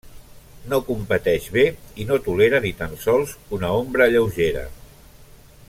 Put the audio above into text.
No competeix bé i no tolera ni tan sols una ombra lleugera.